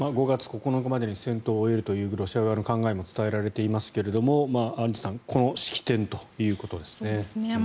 ５月９日までに戦闘を終えるというロシア側の考えも伝えられていますがアンジュさんこの式典ということですね。